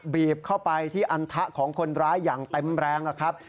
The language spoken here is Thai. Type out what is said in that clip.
บีบเข้าไปที่อันทะของคนร้ายอย่างเต็มแรงนะครับ